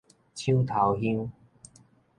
搶頭香